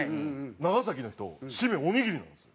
長崎の人締めおにぎりなんですよ。